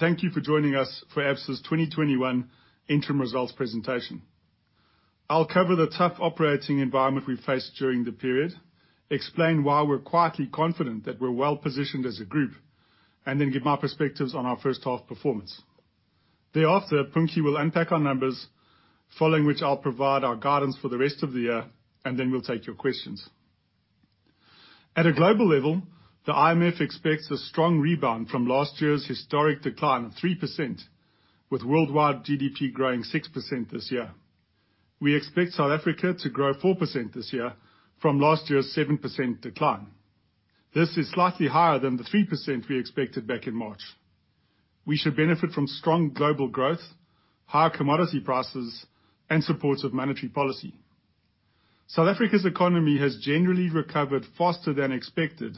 Thank you for joining us for Absa's 2021 interim results presentation. I'll cover the tough operating environment we faced during the period, explain why we're quietly confident that we're well-positioned as a group, and then give my perspectives on our first half performance. Thereafter, Punki will unpack our numbers, following which I'll provide our guidance for the rest of the year, and then we'll take your questions. At a global level, the IMF expects a strong rebound from last year's historic decline of 3%, with worldwide GDP growing 6% this year. We expect South Africa to grow 4% this year from last year's 7% decline. This is slightly higher than the 3% we expected back in March. We should benefit from strong global growth, high commodity prices, and supportive monetary policy. South Africa's economy has generally recovered faster than expected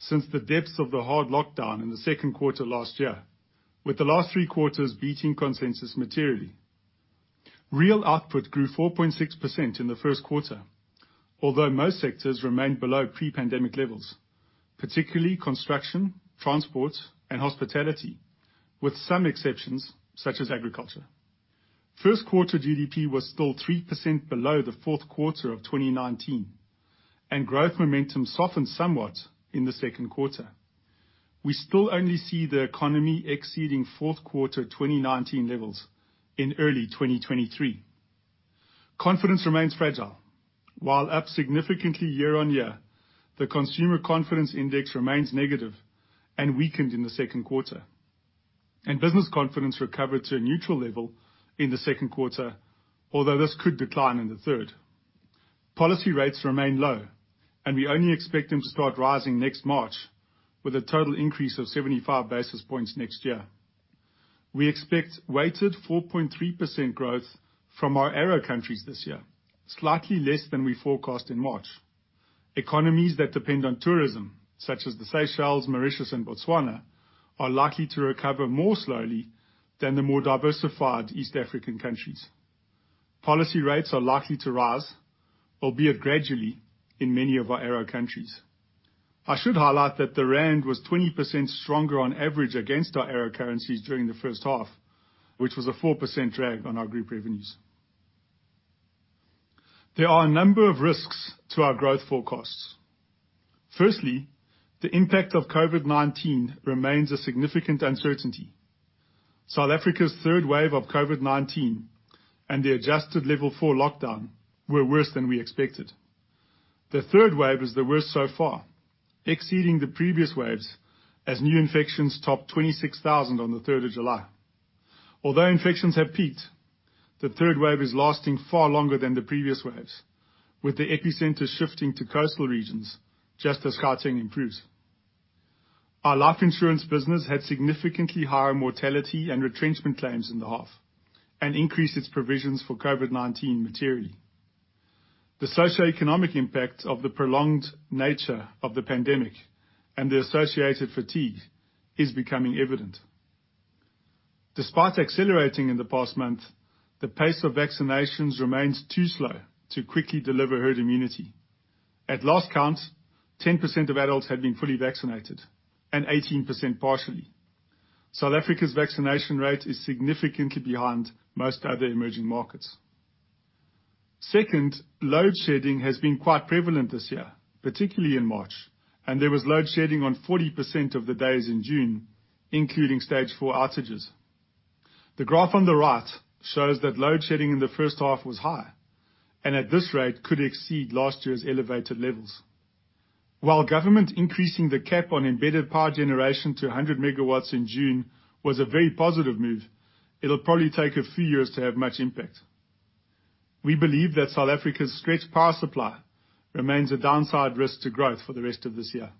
since the depths of the hard lockdown in the second quarter last year, with the last three quarters beating consensus materially. Real output grew 4.6% in the first quarter, although most sectors remained below pre-pandemic levels, particularly construction, transport, and hospitality, with some exceptions, such as agriculture. First quarter GDP was still 3% below the fourth quarter of 2019. Growth momentum softened somewhat in the second quarter. We still only see the economy exceeding fourth quarter 2019 levels in early 2023. Confidence remains fragile. While up significantly year-on-year, the consumer confidence index remains negative and weakened in the second quarter. Business confidence recovered to a neutral level in the second quarter, although this could decline in the third. Policy rates remain low, and we only expect them to start rising next March, with a total increase of 75 basis points next year. We expect weighted 4.3% growth from our ARO countries this year, slightly less than we forecast in March. Economies that depend on tourism, such as the Seychelles, Mauritius, and Botswana, are likely to recover more slowly than the more diversified East African countries. Policy rates are likely to rise, albeit gradually, in many of our ARO countries. I should highlight that the ZAR was 20% stronger on average against our ARO currencies during the first half, which was a 4% drag on our group revenues. There are a number of risks to our growth forecasts. Firstly, the impact of COVID-19 remains a significant uncertainty. South Africa's third wave of COVID-19 and the adjusted level four lockdown were worse than we expected. The third wave is the worst so far, exceeding the previous waves as new infections topped 26,000 on the 3rd of July. Although infections have peaked, the third wave is lasting far longer than the previous waves, with the epicenter shifting to coastal regions just as Gauteng improves. Our life insurance business had significantly higher mortality and retrenchment claims in the half, and increased its provisions for COVID-19 materially. The socioeconomic impact of the prolonged nature of the pandemic and the associated fatigue is becoming evident. Despite accelerating in the past month, the pace of vaccinations remains too slow to quickly deliver herd immunity. At last count, 10% of adults had been fully vaccinated and 18% partially. South Africa's vaccination rate is significantly behind most other emerging markets. Second, load shedding has been quite prevalent this year, particularly in March, and there was load shedding on 40% of the days in June, including stage 4 outages. The graph on the right shows that load shedding in the first half was high, and at this rate could exceed last year's elevated levels. While government increasing the cap on embedded power generation to 100 MW in June was a very positive move, it'll probably take a few years to have much impact. We believe that South Africa's stretched power supply remains a downside risk to growth for the rest of this year.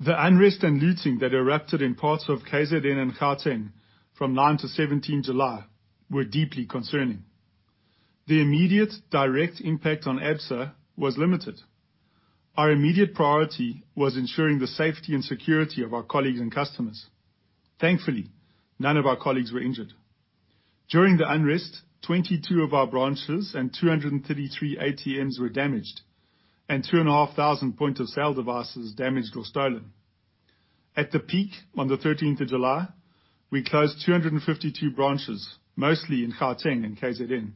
The unrest and looting that erupted in parts of KZN and Gauteng from 9 to 17 July were deeply concerning. The immediate direct impact on Absa was limited. Our immediate priority was ensuring the safety and security of our colleagues and customers. Thankfully, none of our colleagues were injured. During the unrest, 22 of our branches and 233 ATMs were damaged, and 2,500 point-of-sale devices damaged or stolen. At the peak on the 13th of July, we closed 252 branches, mostly in Gauteng and KZN.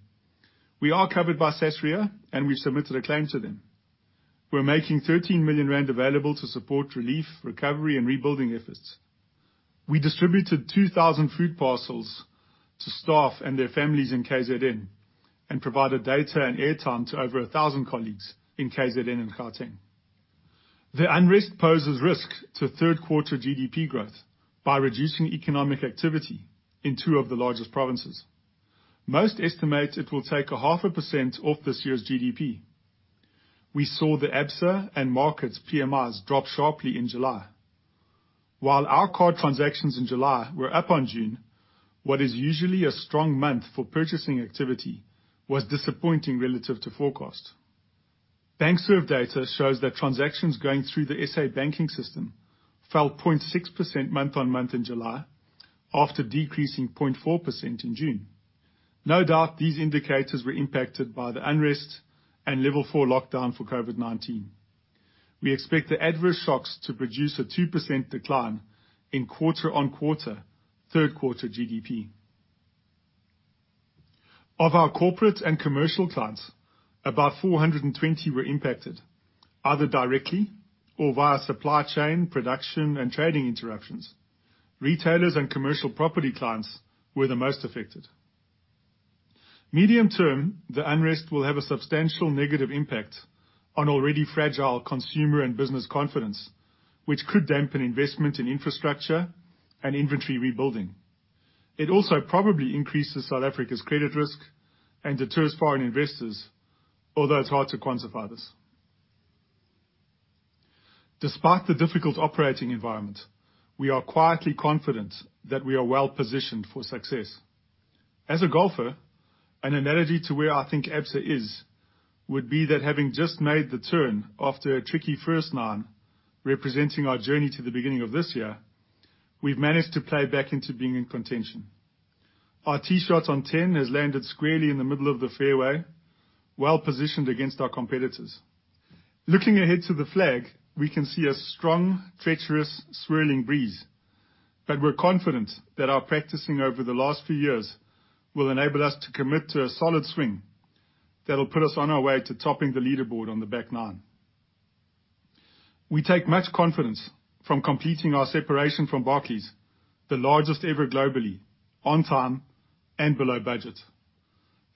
We are covered by Sasria, and we submitted a claim to them. We're making 13 million rand available to support relief, recovery, and rebuilding efforts. We distributed 2,000 food parcels to staff and their families in KZN and provided data and airtime to over 1,000 colleagues in KZN and Gauteng. The unrest poses risk to third quarter GDP growth by reducing economic activity in two of the largest provinces. Most estimate it will take a half a percent off this year's GDP. We saw the Absa and Markit PMIs drop sharply in July. While our card transactions in July were up on June, what is usually a strong month for purchasing activity was disappointing relative to forecast. BankServ data shows that transactions going through the SA banking system fell 0.6% month-on-month in July after decreasing 0.4% in June. No doubt these indicators were impacted by the unrest and level four lockdown for COVID-19. We expect the adverse shocks to produce a 2% decline in quarter-on-quarter third quarter GDP. Of our corporate and commercial clients, about 420 were impacted, either directly or via supply chain production and trading interruptions. Retailers and commercial property clients were the most affected. Medium-term, the unrest will have a substantial negative impact on already fragile consumer and business confidence, which could dampen investment in infrastructure and inventory rebuilding. It also probably increases South Africa's credit risk and deters foreign investors, although it's hard to quantify this. Despite the difficult operating environment, we are quietly confident that we are well-positioned for success. As a golfer, an analogy to where I think Absa is, would be that having just made the turn after a tricky first nine, representing our journey to the beginning of this year, we've managed to play back into being in contention. Our tee shot on 10 has landed squarely in the middle of the fairway, well-positioned against our competitors. Looking ahead to the flag, we can see a strong, treacherous, swirling breeze, but we're confident that our practicing over the last few years will enable us to commit to a solid swing that will put us on our way to topping the leaderboard on the back nine. We take much confidence from completing our separation from Barclays, the largest ever globally, on time and below budget.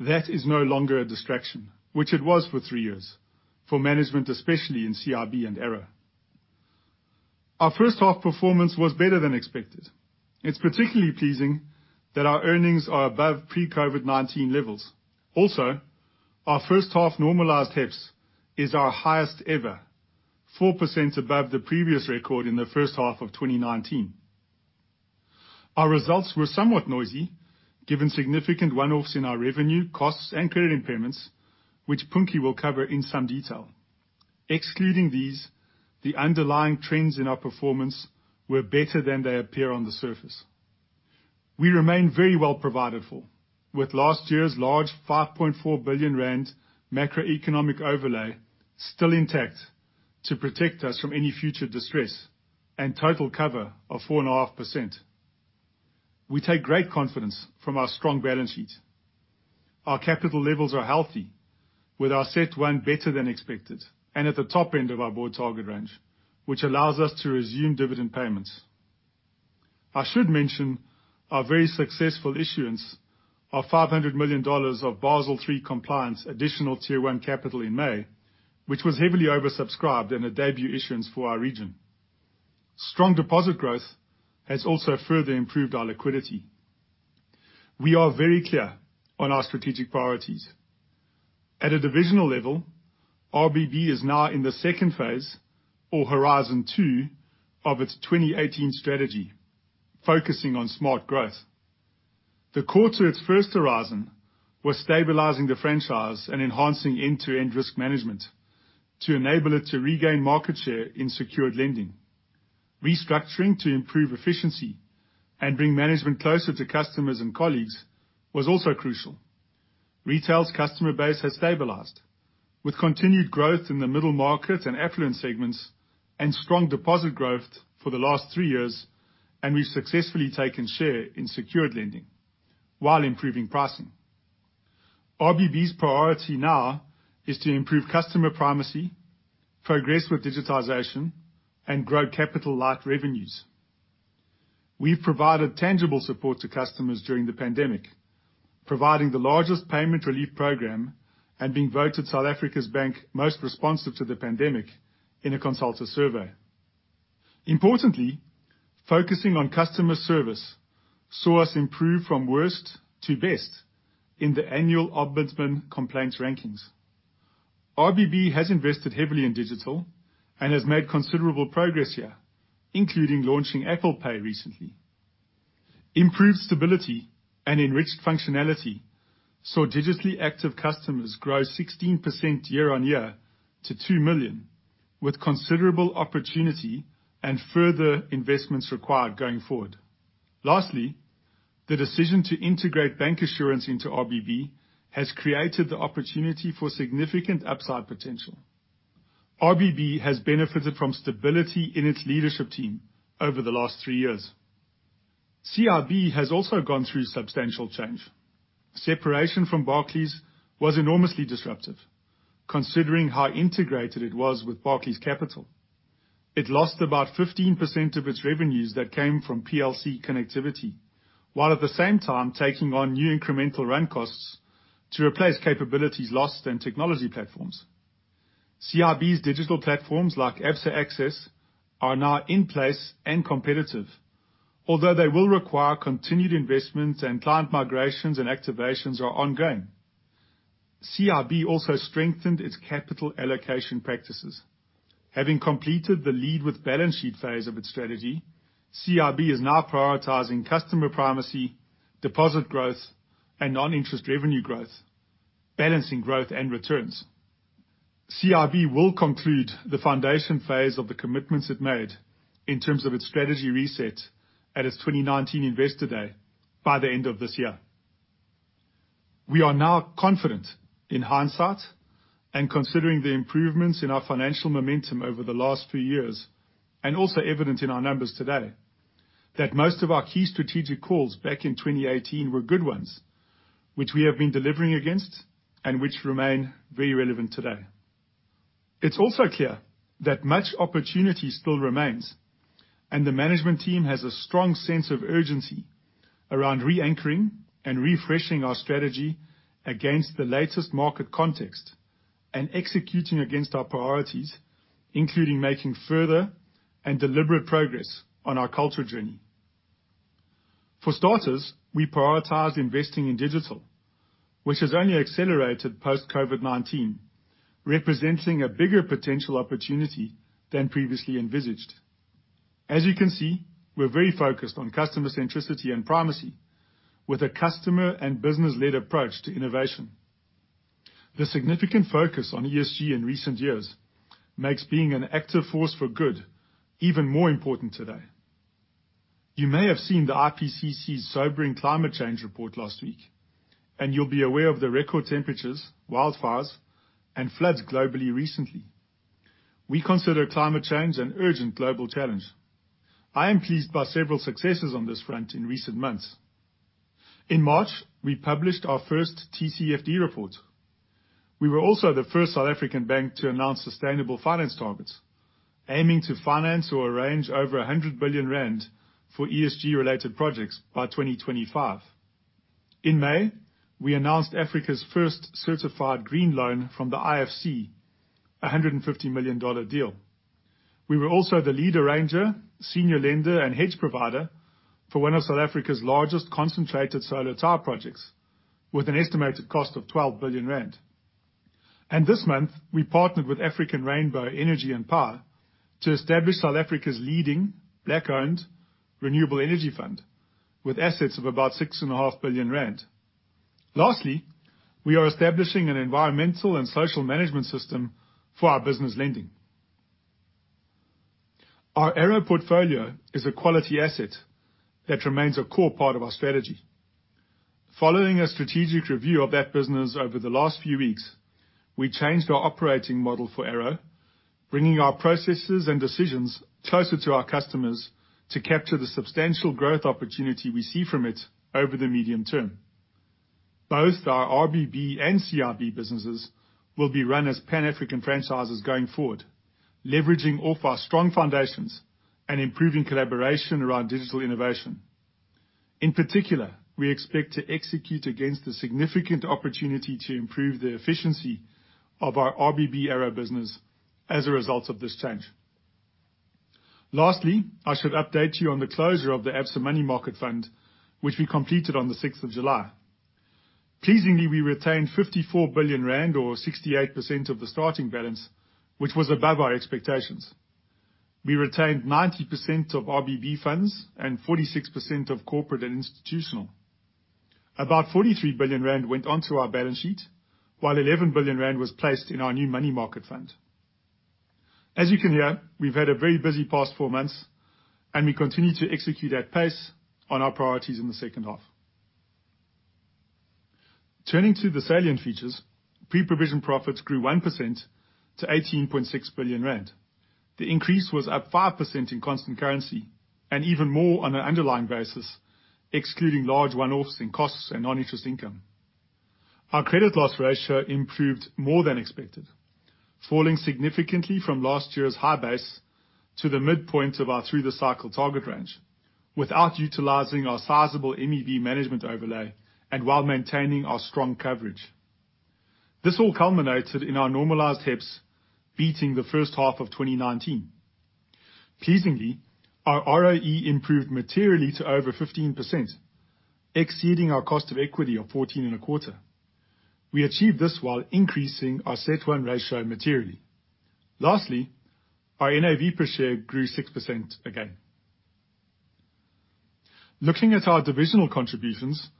That is no longer a distraction, which it was for three years, for management, especially in CIB and ARO. Our first half performance was better than expected. It's particularly pleasing that our earnings are above pre-COVID-19 levels. Our first half normalized HEPS is our highest ever, 4% above the previous record in the first half of 2019. Our results were somewhat noisy, given significant one-offs in our revenue, costs, and credit impairments, which Punki will cover in some detail. Excluding these, the underlying trends in our performance were better than they appear on the surface. We remain very well provided for, with last year's large 5.4 billion rand macroeconomic overlay still intact to protect us from any future distress and total cover of 4.5%. We take great confidence from our strong balance sheet. Our capital levels are healthy, with our CET1 better than expected and at the top end of our board target range, which allows us to resume dividend payments. I should mention our very successful issuance of $500 million of Basel III compliance additional tier one capital in May, which was heavily oversubscribed in a debut issuance for our region. Strong deposit growth has also further improved our liquidity. We are very clear on our strategic priorities. At a divisional level, RBB is now in the second phase, or horizon 2, of its 2018 strategy, focusing on smart growth. The core to its first horizon was stabilizing the franchise and enhancing end-to-end risk management to enable it to regain market share in secured lending. Restructuring to improve efficiency, and bring management closer to customers and colleagues, was also crucial. Retail's customer base has stabilized with continued growth in the middle market and affluent segments, strong deposit growth for the last 3 years, and we've successfully taken share in secured lending while improving pricing. RBB's priority now is to improve customer primacy, progress with digitization, and grow capital-light revenues. We've provided tangible support to customers during the pandemic, providing the largest payment relief program and being voted South Africa's bank most responsive to the pandemic in a Consulta survey. Importantly, focusing on customer service saw us improve from worst to best in the annual Ombudsman complaint rankings. RBB has invested heavily in digital and has made considerable progress here, including launching Apple Pay recently. Improved stability and enriched functionality saw digitally active customers grow 16% year-on-year to 2 million, with considerable opportunity and further investments required going forward. Lastly, the decision to integrate Bancassurance into RBB has created the opportunity for significant upside potential. RBB has benefited from stability in its leadership team over the last three years. CIB has also gone through substantial change. Separation from Barclays was enormously disruptive, considering how integrated it was with Barclays Capital. It lost about 15% of its revenues that came from PLC connectivity, while at the same time taking on new incremental rand costs to replace capabilities lost in technology platforms. CIB's digital platforms like Absa Access are now in place and competitive, although they will require continued investments, and client migrations and activations are ongoing. CIB also strengthened its capital allocation practices. Having completed the lead with balance sheet phase of its strategy, CIB is now prioritizing customer primacy, deposit growth, and non-interest revenue growth, balancing growth and returns. CIB will conclude the foundation phase of the commitments it made in terms of its strategy reset at its 2019 Investor Day by the end of this year. We are now confident in hindsight, and considering the improvements in our financial momentum over the last few years, and also evident in our numbers today, that most of our key strategic calls back in 2018 were good ones, which we have been delivering against and which remain very relevant today. It is also clear that much opportunity still remains, and the management team has a strong sense of urgency around re-anchoring and refreshing our strategy against the latest market context and executing against our priorities, including making further and deliberate progress on our culture journey. For starters, we prioritize investing in digital, which has only accelerated post-COVID-19, representing a bigger potential opportunity than previously envisaged. As you can see, we're very focused on customer centricity and primacy with a customer and business-led approach to innovation. The significant focus on ESG in recent years makes being an active force for good even more important today. You may have seen the IPCC's sobering climate change report last week, and you'll be aware of the record temperatures, wildfires, and floods globally recently. We consider climate change an urgent global challenge. I am pleased by several successes on this front in recent months. In March, we published our first TCFD report. We were also the first South African bank to announce sustainable finance targets, aiming to finance or arrange over 100 billion rand for ESG related projects by 2025. In May, we announced Africa's first certified green loan from the IFC, $150 million deal. We were also the lead arranger, senior lender, and hedge provider for one of South Africa's largest concentrated solar tower projects with an estimated cost of 12 billion rand. This month, we partnered with African Rainbow Energy and Power to establish South Africa's leading Black-owned renewable energy fund, with assets of about 6.5 billion rand. Lastly, we are establishing an environmental and social management system for our business lending. Our ARO portfolio is a quality asset that remains a core part of our strategy. Following a strategic review of that business over the last few weeks, we changed our operating model for ARO, bringing our processes and decisions closer to our customers to capture the substantial growth opportunity we see from it over the medium term. Both our RBB and CIB businesses will be run as Pan-African franchises going forward, leveraging off our strong foundations and improving collaboration around digital innovation. In particular, we expect to execute against a significant opportunity to improve the efficiency of our RBB ARO business as a result of this change. Lastly, I should update you on the closure of the Absa Money Market Fund, which we completed on the 6th of July. Pleasingly, we retained 54 billion rand or 68% of the starting balance, which was above our expectations. We retained 90% of RBB funds and 46% of corporate and institutional. About 43 billion rand went onto our balance sheet, while 11 billion rand was placed in our new money market fund. As you can hear, we've had a very busy past four months, and we continue to execute at pace on our priorities in the second half. Turning to the salient features, preprovision profits grew 1% to 18.6 billion rand. The increase was up 5% in constant currency and even more on an underlying basis, excluding large one-offs in costs and non-interest income. Our credit loss ratio improved more than expected, falling significantly from last year's high base to the midpoint of our through the cycle target range without utilizing our sizable MEV management overlay and while maintaining our strong coverage. This all culminated in our normalized HEPS beating the first half of 2019. Pleasingly, our ROE improved materially to over 15%, exceeding our cost of equity of 14.25%. We achieved this while increasing our CET1 ratio materially. Lastly, our NAV per share grew 6% again. Looking at our divisional contributions,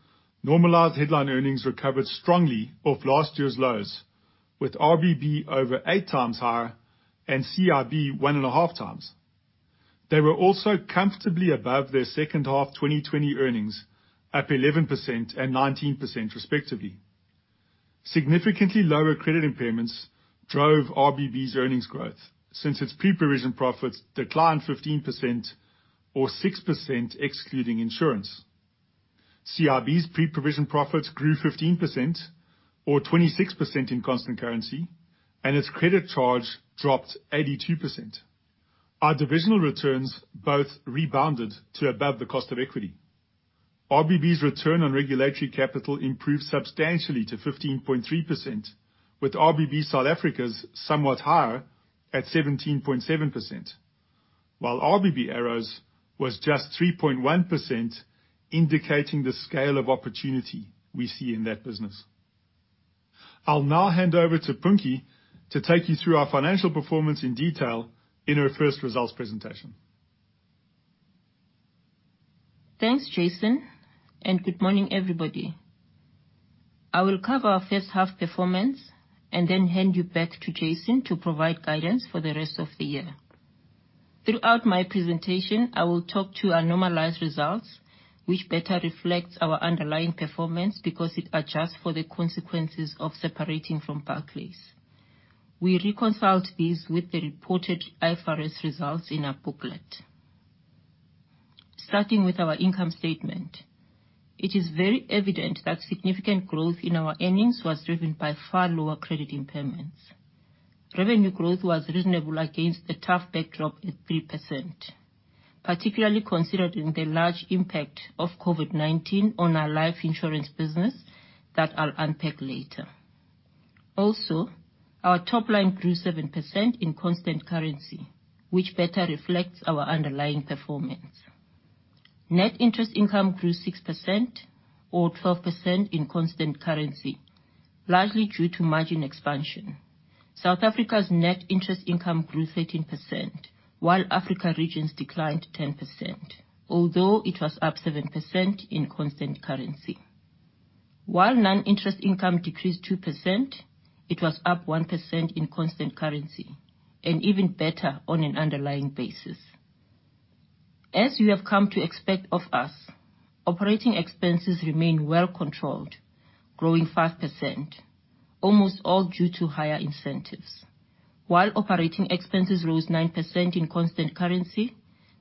normalized headline earnings recovered strongly off last year's lows, with RBB over 8x higher and CIB 1.5x. They were also comfortably above their second half 2020 earnings, up 11% and 19% respectively. Significantly lower credit impairments drove RBB's earnings growth since its preprovision profits declined 15% or 6% excluding insurance. CIB's preprovision profits grew 15% or 26% in constant currency, and its credit charge dropped 82%. Our divisional returns both rebounded to above the cost of equity. RBB's return on regulatory capital improved substantially to 15.3%, with RBB South Africa's somewhat higher at 17.7%, while RBB ARO's was just 3.1%, indicating the scale of opportunity we see in that business. I'll now hand over to Punki to take you through our financial performance in detail in her first results presentation. Thanks, Jason, and good morning, everybody. I will cover our first half performance and then hand you back to Jason to provide guidance for the rest of the year. Throughout my presentation, I will talk to our normalized results, which better reflects our underlying performance because it adjusts for the consequences of separating from Barclays. We reconciled these with the reported IFRS results in our booklet. Starting with our income statement. It is very evident that significant growth in our earnings was driven by far lower credit impairments. Revenue growth was reasonable against the tough backdrop at 3%, particularly considering the large impact of COVID-19 on our life insurance business that I'll unpack later. Also, our top line grew 7% in constant currency, which better reflects our underlying performance. Net interest income grew 6% or 12% in constant currency, largely due to margin expansion. South Africas net interest income grew 13%, while Africa regions declined 10%, although it was up 7% in constant currency. While non-interest income decreased 2%, it was up 1% in constant currency, and even better on an underlying basis. As you have come to expect of us, operating expenses remain well controlled, growing 5%, almost all due to higher incentives. While operating expenses rose 9% in constant currency,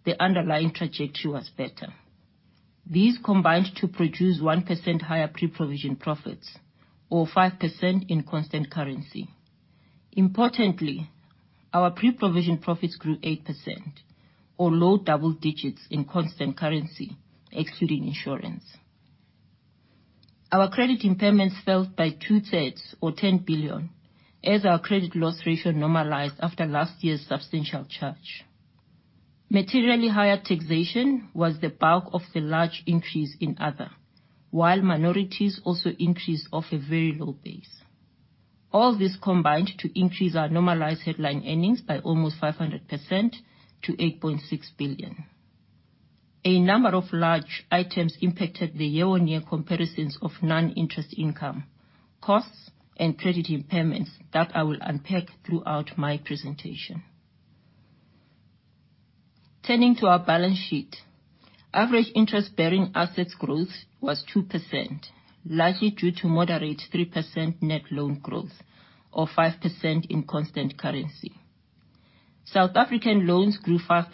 the underlying trajectory was better. These combined to produce 1% higher pre-provision profits or 5% in constant currency. Importantly, our pre-provision profits grew 8% or low double digits in constant currency, excluding insurance. Our credit impairments fell by two-thirds or 10 billion as our credit loss ratio normalized after last year's substantial charge. Materially higher taxation was the bulk of the large increase in other, while minorities also increased off a very low base. All this combined to increase our normalized headline earnings by almost 500% to 8.6 billion. A number of large items impacted the year-on-year comparisons of non-interest income, costs, and credit impairments that I will unpack throughout my presentation. Turning to our balance sheet. Average interest-bearing assets growth was 2%, largely due to moderate 3% net loan growth or 5% in constant currency. South African loans grew 5%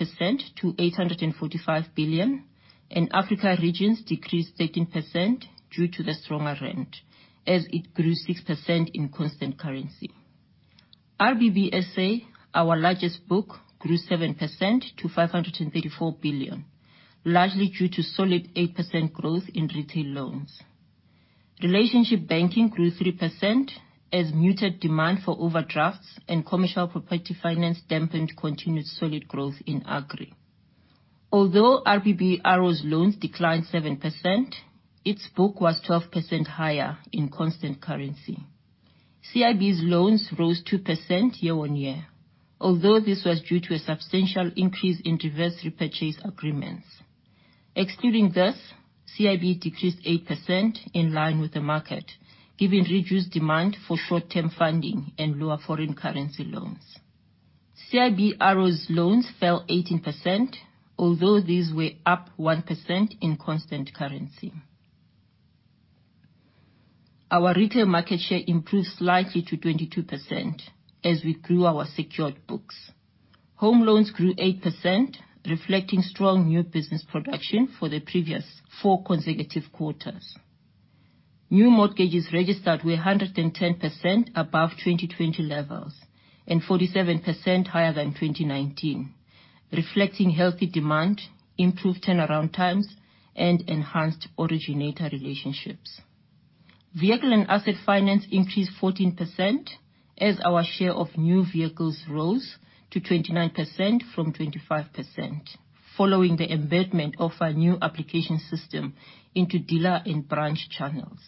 to 845 billion, and Africa regions decreased 13% due to the stronger rand as it grew 6% in constant currency. RBBSA, our largest book, grew 7% to 534 billion, largely due to solid 8% growth in retail loans. Relationship banking grew 3% as muted demand for overdrafts and commercial property finance dampened continued solid growth in Agri. Although RBB ARO's loans declined 7%, its book was 12% higher in constant currency. CIB's loans rose 2% year-on-year, although this was due to a substantial increase in reverse repurchase agreements. Excluding this, CIB decreased 8% in line with the market, given reduced demand for short-term funding and lower foreign currency loans. CIB ARO's loans fell 18%, although these were up 1% in constant currency. Our retail market share improved slightly to 22% as we grew our secured books. Home loans grew 8%, reflecting strong new business production for the previous four consecutive quarters. New mortgages registered were 110% above 2020 levels and 47% higher than 2019, reflecting healthy demand, improved turnaround times, and enhanced originator relationships. Vehicle and asset finance increased 14% as our share of new vehicles rose to 29% from 25%, following the embedment of our new application system into dealer and branch channels.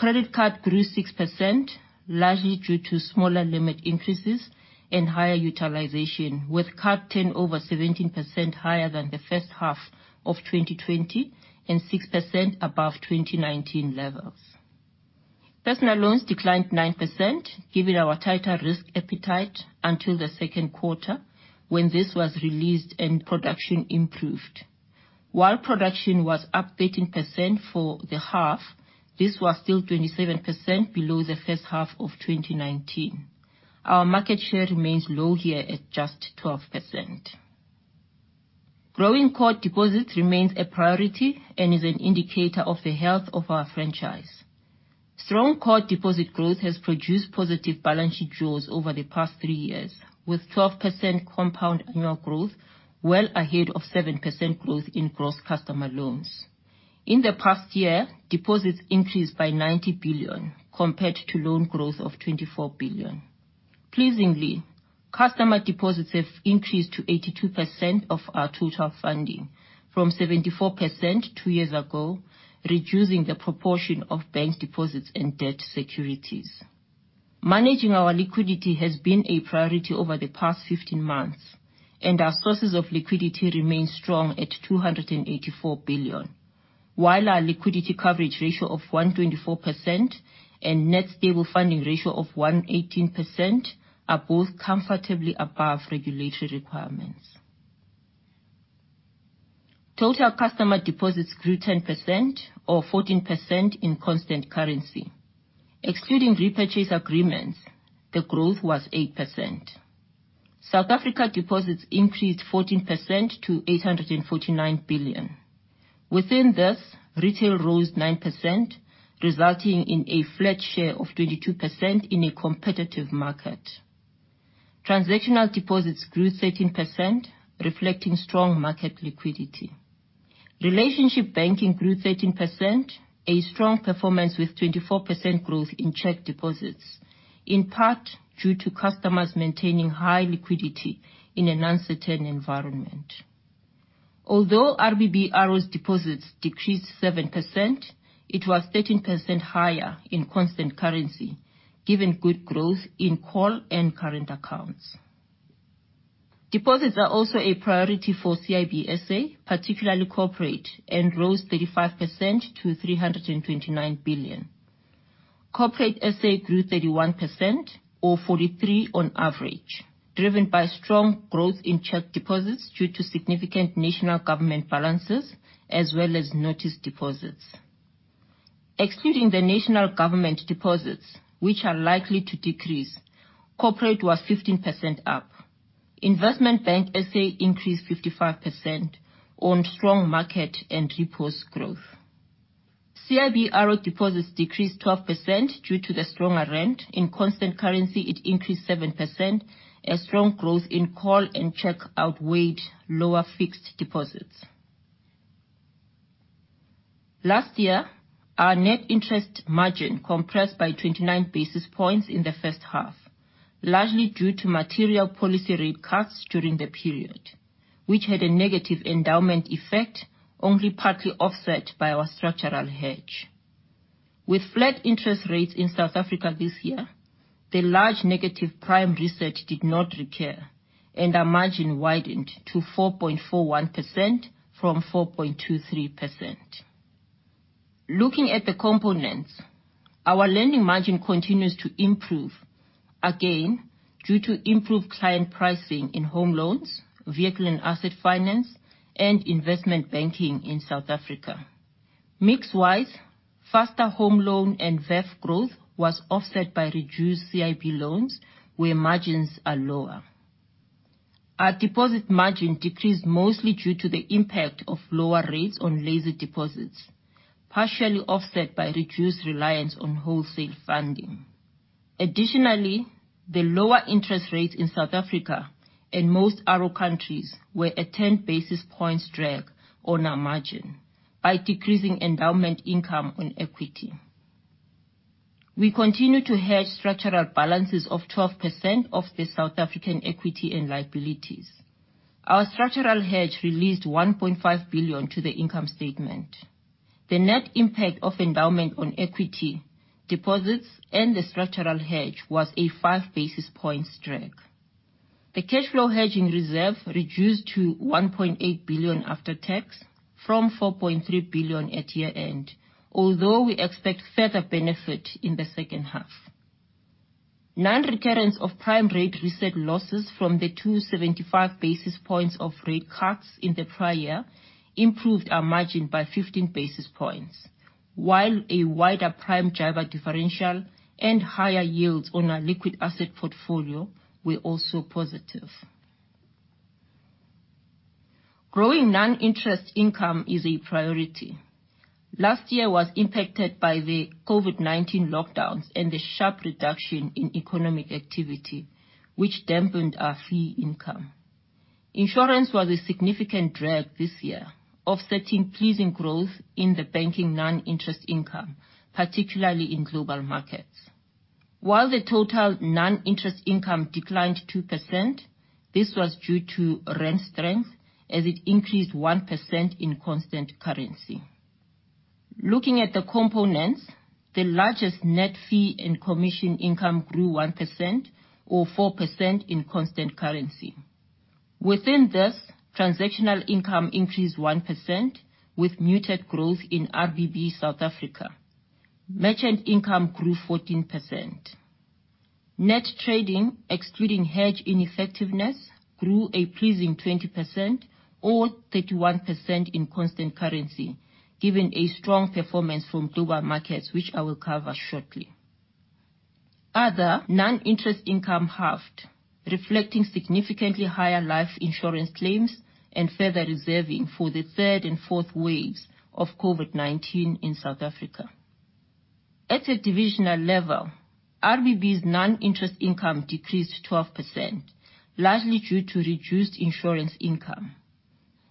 Credit card grew 6%, largely due to smaller limit increases and higher utilization, with card turn over 17% higher than the first half of 2020 and 6% above 2019 levels. Personal loans declined 9%, given our tighter risk appetite until the second quarter when this was released and production improved. While production was up 13% for the half, this was still 27% below the first half of 2019. Our market share remains low here at just 12%. Growing core deposits remains a priority and is an indicator of the health of our franchise. Strong core deposit growth has produced positive balance sheet draws over the past three years, with 12% compound annual growth well ahead of 7% growth in gross customer loans. In the past year, deposits increased by 90 billion compared to loan growth of 24 billion. Pleasingly, customer deposits have increased to 82% of our total funding from 74% two years ago, reducing the proportion of bank deposits and debt securities. Managing our liquidity has been a priority over the past 15 months, and our sources of liquidity remain strong at 284 billion. While our liquidity coverage ratio of 124% and net stable funding ratio of 118% are both comfortably above regulatory requirements. Total customer deposits grew 10% or 14% in constant currency. Excluding repurchase agreements, the growth was 8%. South Africa deposits increased 14% to 849 billion. Within this, retail rose 9%, resulting in a flat share of 22% in a competitive market. Transactional deposits grew 13%, reflecting strong market liquidity. Relationship banking grew 13%, a strong performance with 24% growth in check deposits, in part due to customers maintaining high liquidity in an uncertain environment. Although RBB ARO's deposits decreased 7%, it was 13% higher in constant currency given good growth in call and current accounts. Deposits are also a priority for CIB SA, particularly corporate, and rose 35% to 329 billion. Corporate SA grew 31% or 43 on average, driven by strong growth in check deposits due to significant national government balances as well as notice deposits. Excluding the national government deposits, which are likely to decrease, corporate was 15% up. Investment bank SA increased 55% on strong market and repos growth. CIB ARO deposits decreased 12% due to the stronger rand. In constant currency, it increased 7%, as strong growth in call and check outweighed lower fixed deposits. Last year, our net interest margin compressed by 29 basis points in the first half, largely due to material policy rate cuts during the period, which had a negative endowment effect, only partly offset by our structural hedge. With flat interest rates in South Africa this year, the large negative prime reset did not recur, and our margin widened to 4.41% from 4.23%. Looking at the components, our lending margin continues to improve, again, due to improved client pricing in home loans, vehicle and asset finance, and investment banking in South Africa. Mix wise, faster home loan and VAF growth was offset by reduced CIB loans where margins are lower. Our deposit margin decreased mostly due to the impact of lower rates on lazy deposits, partially offset by reduced reliance on wholesale funding. Additionally, the lower interest rates in South Africa and most ARO countries were a 10 basis points drag on our margin by decreasing endowment income on equity. We continue to hedge structural balances of 12% of the South African equity and liabilities. Our structural hedge released 1.5 billion to the income statement. The net impact of endowment on equity deposits and the structural hedge was a 5 basis points drag. The cash flow hedging reserve reduced to 1.8 billion after tax from 4.3 billion at year-end, although we expect further benefit in the second half. Non-recurrence of prime rate reset losses from the 275 basis points of rate cuts in the prior year improved our margin by 15 basis points. While a wider prime JIBAR differential and higher yields on our liquid asset portfolio were also positive. Growing non-interest income is a priority. Last year was impacted by the COVID-19 lockdowns and the sharp reduction in economic activity, which dampened our fee income. Insurance was a significant drag this year, offsetting pleasing growth in the banking non-interest income, particularly in global markets. While the total non-interest income declined 2%, this was due to rand strength as it increased 1% in constant currency. Looking at the components, the largest net fee and commission income grew 1% or 4% in constant currency. Within this, transactional income increased 1% with muted growth in RBB, South Africa. Merchant income grew 14%. Net trading, excluding hedge ineffectiveness, grew a pleasing 20% or 31% in constant currency, given a strong performance from global markets, which I will cover shortly. Other non-interest income halved, reflecting significantly higher life insurance claims and further reserving for the third and fourth waves of COVID-19 in South Africa. At a divisional level, RBB's non-interest income decreased 12%, largely due to reduced insurance income.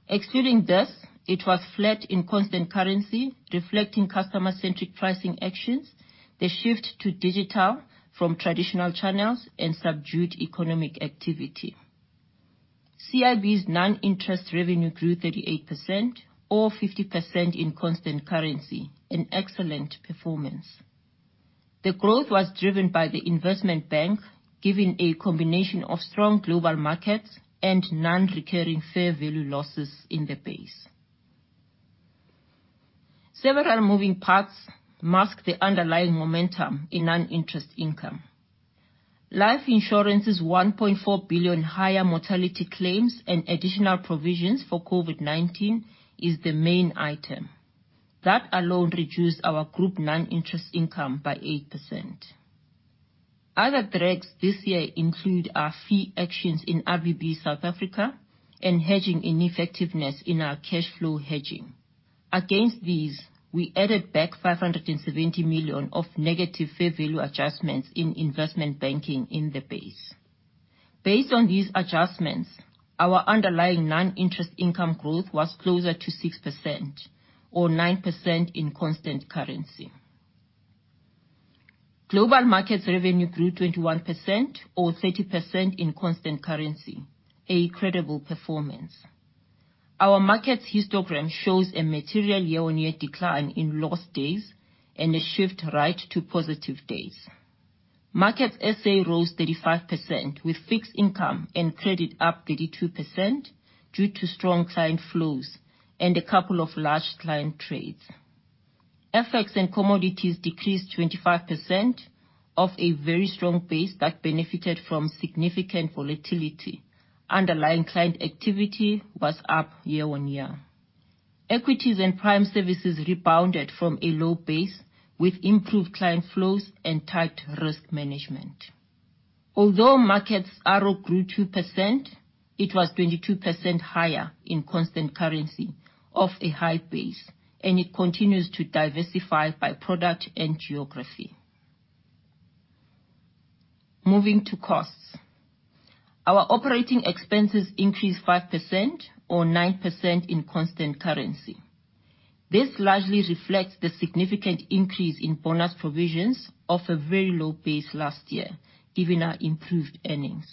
Excluding this, it was flat in constant currency, reflecting customer-centric pricing actions, the shift to digital from traditional channels, and subdued economic activity. CIB's non-interest revenue grew 38% or 50% in constant currency, an excellent performance. The growth was driven by the investment bank giving a combination of strong global markets and non-recurring fair value losses in the base. Several moving parts mask the underlying momentum in non-interest income. Life insurance is 1.4 billion higher mortality claims and additional provisions for COVID-19 is the main item. That alone reduced our group non-interest income by 8%. Other drags this year include our fee actions in RBB South Africa and hedging ineffectiveness in our cash flow hedging. Against these, we added back 570 million of negative fair value adjustments in investment banking in the base. Based on these adjustments, our underlying non-interest income growth was closer to 6% or 9% in constant currency. Global Markets revenue grew 21% or 30% in constant currency, a credible performance. Our markets histogram shows a material year-on-year decline in loss days and a shift right to positive days. Markets SA rose 35% with fixed income and credit up 32% due to strong client flows and a couple of large client trades. FX and commodities decreased 25% off a very strong base that benefited from significant volatility. Underlying client activity was up year-on-year. Equities and prime services rebounded from a low base with improved client flows and tight risk management. Although Markets ARO grew 2%, it was 22% higher in constant currency off a high base, and it continues to diversify by product and geography. Moving to costs. Our operating expenses increased 5% or 9% in constant currency. This largely reflects the significant increase in bonus provisions off a very low base last year given our improved earnings.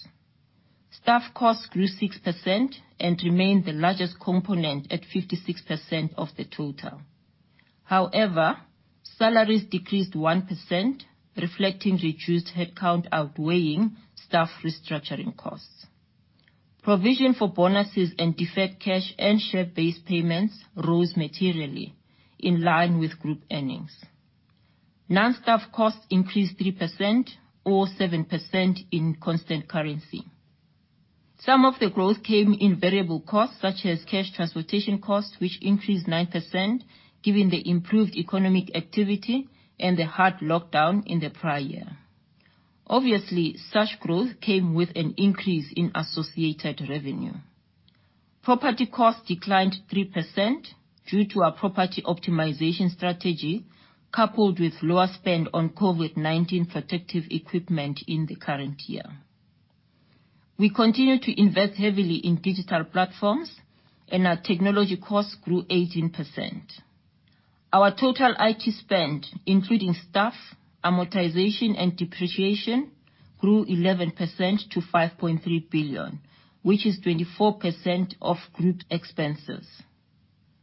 Staff costs grew 6% and remained the largest component at 56% of the total. However, salaries decreased 1%, reflecting reduced headcount outweighing staff restructuring costs. Provision for bonuses and deferred cash and share-based payments rose materially in line with group earnings. Non-staff costs increased 3% or 7% in constant currency. Some of the growth came in variable costs such as cash transportation costs, which increased 9% given the improved economic activity and the hard lockdown in the prior year. Obviously, such growth came with an increase in associated revenue. Property costs declined 3% due to our property optimization strategy, coupled with lower spend on COVID-19 protective equipment in the current year. We continue to invest heavily in digital platforms and our technology costs grew 18%. Our total IT spend, including staff, amortization, and depreciation, grew 11% to 5.3 billion, which is 24% of group expenses.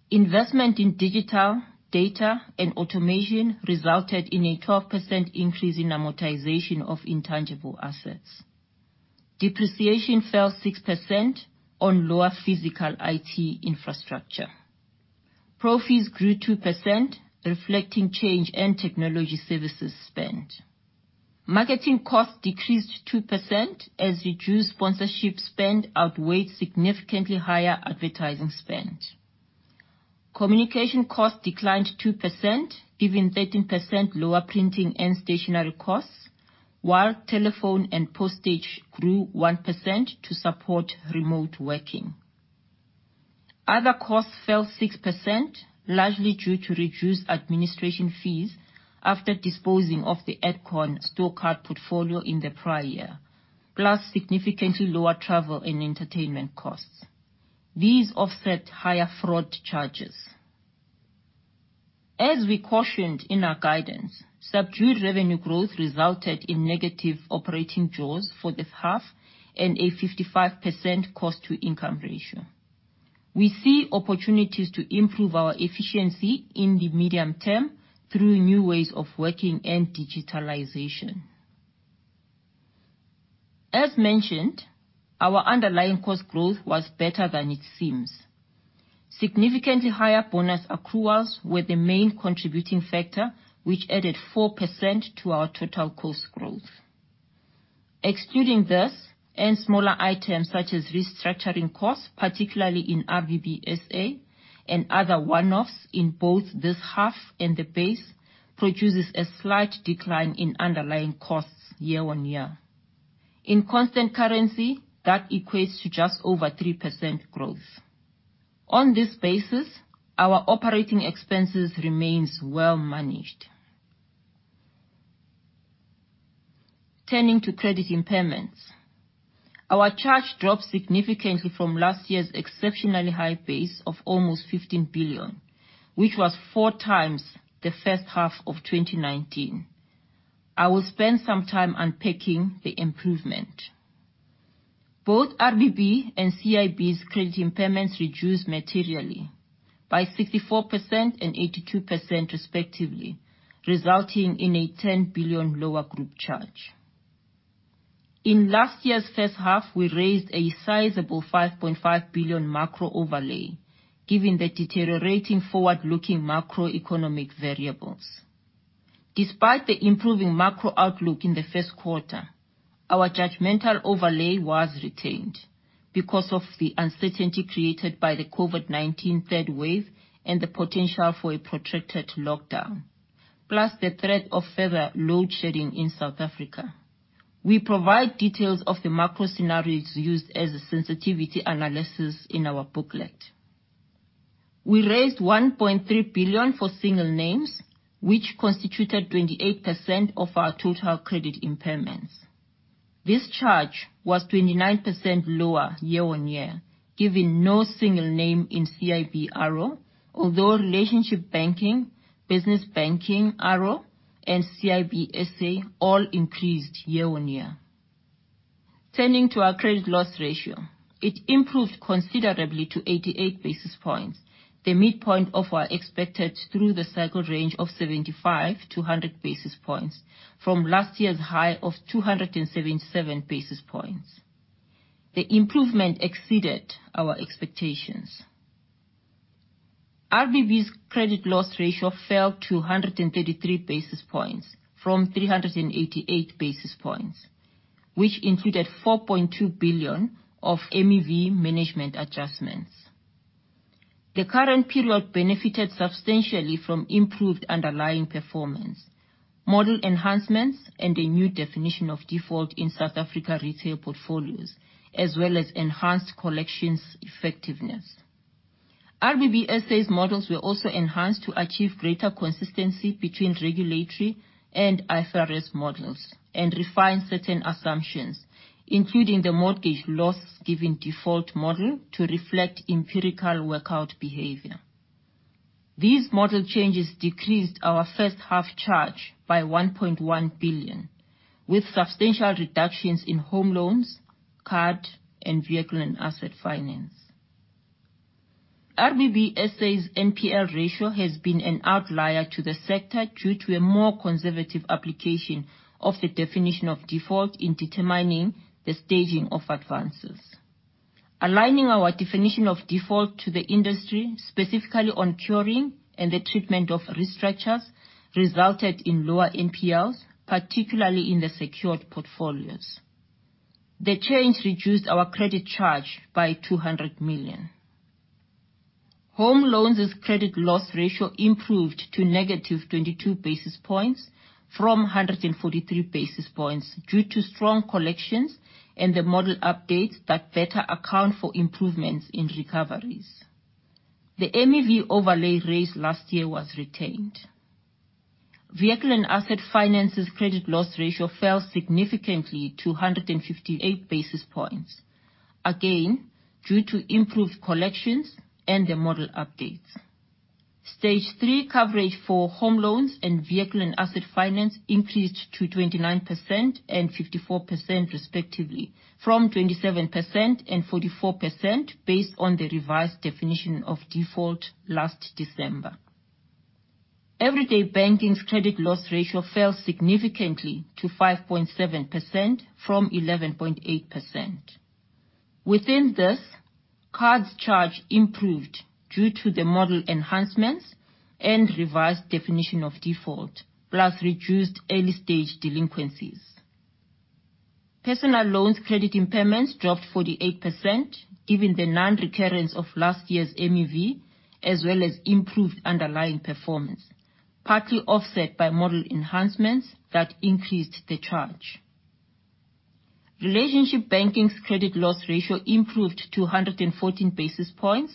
Investment in digital data and automation resulted in a 12% increase in amortization of intangible assets. Depreciation fell 6% on lower physical IT infrastructure. Pro fees grew 2%, reflecting change and technology services spend. Marketing costs decreased 2% as reduced sponsorship spend outweighed significantly higher advertising spend. Communication costs declined 2%, giving 13% lower printing and stationery costs, while telephone and postage grew 1% to support remote working. Other costs fell 6%, largely due to reduced administration fees after disposing of the Edcon store card portfolio in the prior year, plus significantly lower travel and entertainment costs. These offset higher fraud charges. As we cautioned in our guidance, subdued revenue growth resulted in negative operating jaws for the half and a 55% cost to income ratio. We see opportunities to improve our efficiency in the medium term through new ways of working and digitalization. As mentioned, our underlying cost growth was better than it seems. Significantly higher bonus accruals were the main contributing factor, which added 4% to our total cost growth. Excluding this and smaller items such as restructuring costs, particularly in RBB SA and other one-offs in both this half and the base, produces a slight decline in underlying costs year-on-year. In constant currency, that equates to just over 3% growth. On this basis, our operating expenses remains well managed. Turning to credit impairments. Our charge dropped significantly from last year's exceptionally high base of almost 15 billion, which was 4x the first half of 2019. I will spend some time unpacking the improvement. Both RBB and CIB's credit impairments reduced materially by 64% and 82% respectively, resulting in a 10 billion lower group charge. In last year's first half, we raised a sizable 5.5 billion macro overlay given the deteriorating forward-looking macroeconomic variables. Despite the improving macro outlook in the first quarter, our judgmental overlay was retained because of the uncertainty created by the COVID-19 third wave and the potential for a protracted lockdown, plus the threat of further load shedding in South Africa. We provide details of the macro scenarios used as a sensitivity analysis in our booklet. We raised 1.3 billion for single names, which constituted 28% of our total credit impairments. This charge was 29% lower year-on-year, given no single name in CIB ARO, although relationship banking, Business Banking ARO, and CIB SA all increased year-on-year. Turning to our credit loss ratio. It improved considerably to 88 basis points, the midpoint of our expected through the cycle range of 75-100 basis points from last year's high of 277 basis points. The improvement exceeded our expectations. RBB's credit loss ratio fell to 133 basis points from 388 basis points, which included 4.2 billion of MEV management adjustments. The current period benefited substantially from improved underlying performance, model enhancements, and a new definition of default in South Africa retail portfolios, as well as enhanced collections effectiveness. RBB SA's models were also enhanced to achieve greater consistency between regulatory and IFRS models and refine certain assumptions, including the mortgage losses given default model to reflect empirical workout behavior. These model changes decreased our first-half charge by 1.1 billion, with substantial reductions in home loans, card, and vehicle and asset finance. RBB SA's NPL ratio has been an outlier to the sector due to a more conservative application of the definition of default in determining the staging of advances. Aligning our definition of default to the industry, specifically on curing and the treatment of restructures, resulted in lower NPLs, particularly in the secured portfolios. The change reduced our credit charge by 200 million. Home loans' credit loss ratio improved to negative 22 basis points from 143 basis points due to strong collections and the model updates that better account for improvements in recoveries. The MEV overlay raised last year was retained. Vehicle and asset finance's credit loss ratio fell significantly to 158 basis points, again, due to improved collections and the model updates. Stage 3 coverage for home loans and vehicle and asset finance increased to 29% and 54%, respectively, from 27% and 44%, based on the revised definition of default last December. Everyday banking's credit loss ratio fell significantly to 5.7% from 11.8%. Within this, cards charge improved due to the model enhancements and revised definition of default, plus reduced early stage delinquencies. Personal loans credit impairments dropped 48%, given the non-recurrence of last year's MEV, as well as improved underlying performance, partly offset by model enhancements that increased the charge. Relationship banking's credit loss ratio improved to 114 basis points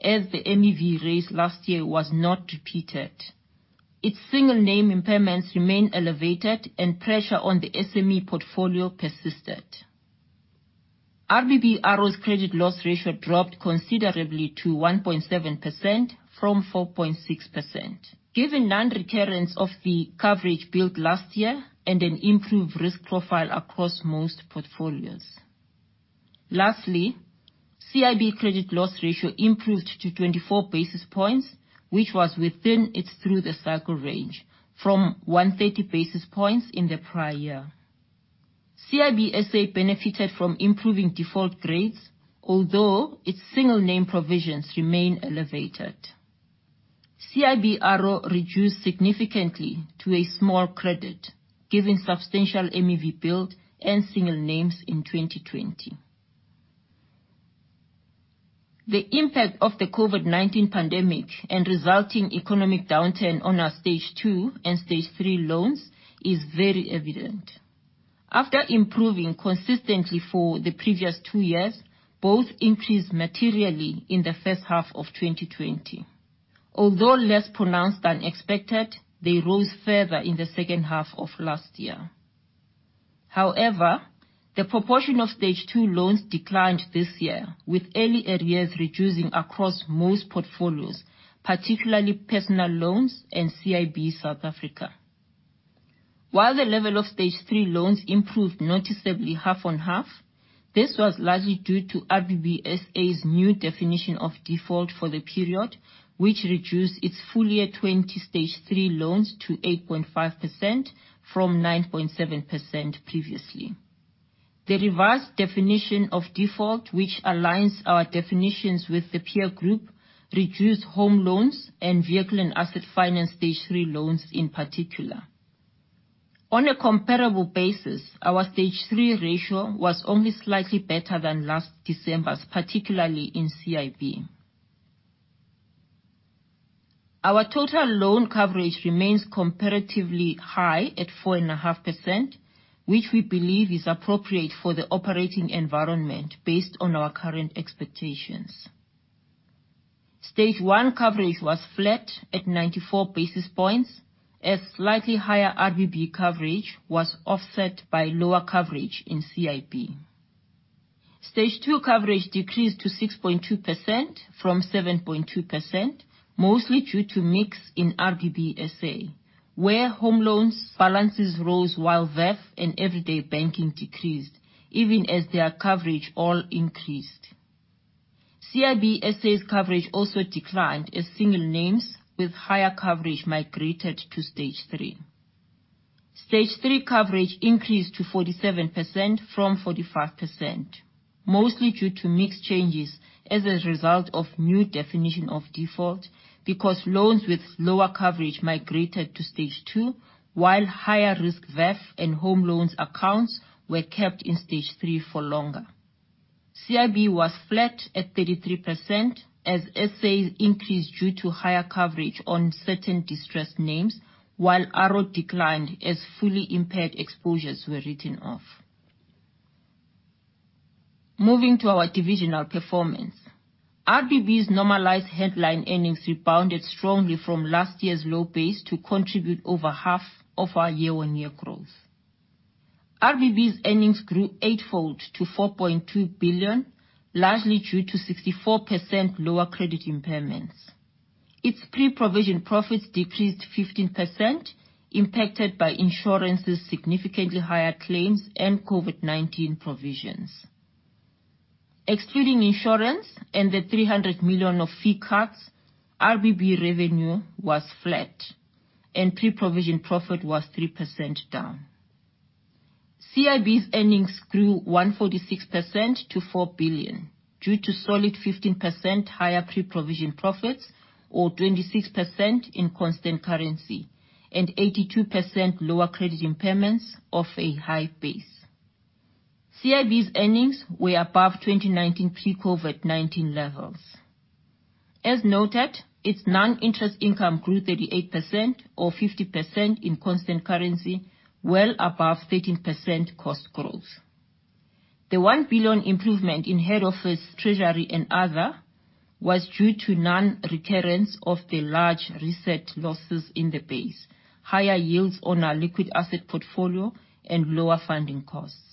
as the MEV raised last year was not repeated. Its single name impairments remain elevated and pressure on the SME portfolio persisted. RBB ARO's credit loss ratio dropped considerably to 1.7% from 4.6%, given non-recurrence of the coverage built last year and an improved risk profile across most portfolios. Lastly, CIB credit loss ratio improved to 24 basis points, which was within its through the cycle range, from 130 basis points in the prior year. CIB SA benefited from improving default grades, although its single name provisions remain elevated. CIB ARO reduced significantly to a small credit, given substantial MEV build and single names in 2020. The impact of the COVID-19 pandemic and resulting economic downturn on our stage 2 and stage 3 loans is very evident. After improving consistently for the previous two years, both increased materially in the first half of 2020. Although less pronounced than expected, they rose further in the second half of last year. However, the proportion of stage 2 loans declined this year, with early arrears reducing across most portfolios, particularly personal loans and CIB South Africa. While the level of stage 3 loans improved noticeably half on half, this was largely due to RBB SA's new definition of default for the period, which reduced its full year 2020 stage 3 loans to 8.5% from 9.7% previously. The revised definition of default, which aligns our definitions with the peer group, reduced home loans and vehicle and asset finance stage 3 loans in particular. On a comparable basis, our stage 3 ratio was only slightly better than last December's, particularly in CIB. Our total loan coverage remains comparatively high at 4.5%, which we believe is appropriate for the operating environment based on our current expectations. Stage 1 coverage was flat at 94 basis points, as slightly higher RBB coverage was offset by lower coverage in CIB. Stage 2 coverage decreased to 6.2% from 7.2%, mostly due to mix in RBB SA, where home loans balances rose while VAF and everyday banking decreased, even as their coverage all increased. CIB SA's coverage also declined as single names with higher coverage migrated to stage 3. Stage 3 coverage increased to 47% from 45%, mostly due to mix changes as a result of new definition of default, because loans with lower coverage migrated to stage 2, while higher risk VAF and home loans accounts were kept in stage 3 for longer. CIB was flat at 33% as SA increased due to higher coverage on certain distressed names, while ARO declined as fully impaired exposures were written off. Moving to our divisional performance. RBB's normalized headline earnings rebounded strongly from last year's low base to contribute over half of our year-on-year growth. RBB's earnings grew eightfold to 4.2 billion, largely due to 64% lower credit impairments. Its pre-provision profits decreased 15%, impacted by insurance's significantly higher claims and COVID-19 provisions. Excluding insurance and the 300 million of fee cuts, RBB revenue was flat and pre-provision profit was 3% down. CIB's earnings grew 146% to 4 billion due to solid 15% higher pre-provision profits or 26% in constant currency and 82% lower credit impairments off a high base. CIB's earnings were above 2019 pre-COVID-19 levels. As noted, its non-interest income grew 38% or 50% in constant currency, well above 13% cost growth. The 1 billion improvement in head office treasury and other was due to non-recurrence of the large reset losses in the base, higher yields on our liquid asset portfolio, and lower funding costs.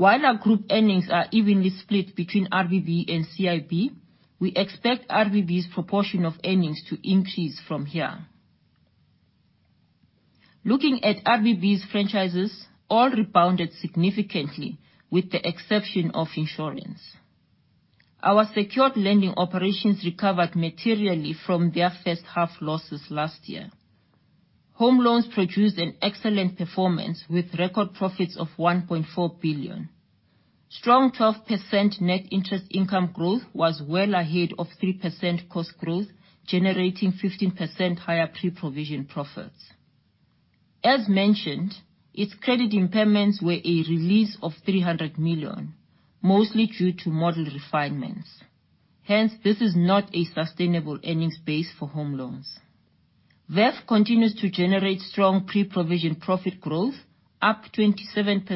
While our group earnings are evenly split between RBB and CIB, we expect RBB's proportion of earnings to increase from here. Looking at RBB's franchises, all rebounded significantly, with the exception of insurance. Our secured lending operations recovered materially from their first half losses last year. Home loans produced an excellent performance with record profits of 1.4 billion. Strong 12% net interest income growth was well ahead of 3% cost growth, generating 15% higher pre-provision profits. As mentioned, its credit impairments were a release of 300 million, mostly due to model refinements. Hence, this is not a sustainable earnings base for home loans. VAF continues to generate strong pre-provision profit growth, up 27%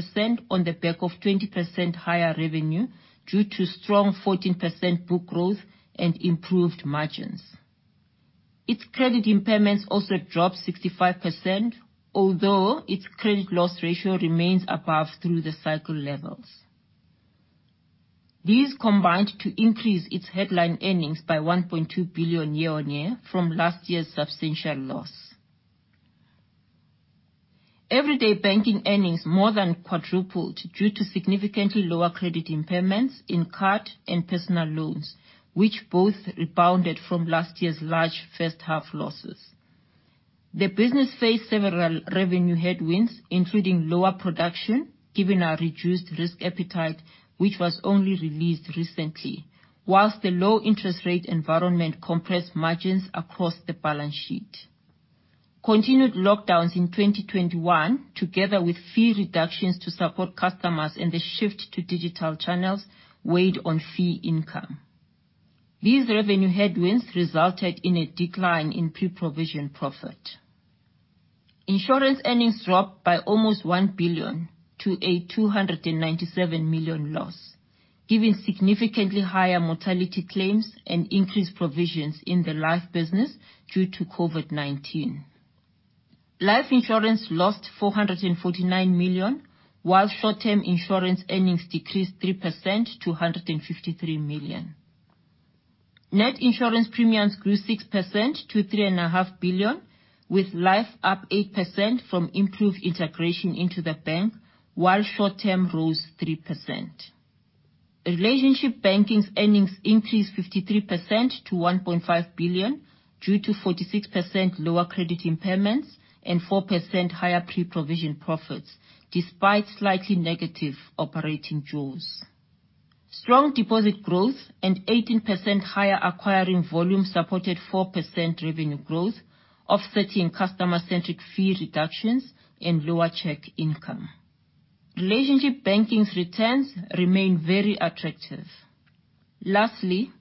on the back of 20% higher revenue due to strong 14% book growth and improved margins. Its credit impairments also dropped 65%, although its credit loss ratio remains above through the cycle levels. These combined to increase its headline earnings by 1.2 billion year-on-year from last year's substantial loss. Everyday banking earnings more than quadrupled due to significantly lower credit impairments in card and personal loans, which both rebounded from last year's large first-half losses. The business faced several revenue headwinds, including lower production given our reduced risk appetite, which was only released recently, whilst the low interest rate environment compressed margins across the balance sheet. Continued lockdowns in 2021, together with fee reductions to support customers and the shift to digital channels, weighed on fee income. These revenue headwinds resulted in a decline in pre-provision profit. Insurance earnings dropped by almost 1 billion to a 297 million loss. Given significantly higher mortality claims and increased provisions in the Absa Life business due to COVID-19. Absa Life insurance lost 449 million, while short-term insurance earnings decreased 3% to 153 million. Net insurance premiums grew 6% to 3.5 billion, with life up 8% from improved integration into the bank, while short-term rose 3%. Relationship banking's earnings increased 53% to 1.5 billion due to 46% lower credit impairments and 4% higher pre-provision profits, despite slightly negative operating jaws. Strong deposit growth and 18% higher acquiring volume supported 4% revenue growth, offsetting customer-centric fee reductions and lower check income. Relationship banking's returns remain very attractive. Lastly,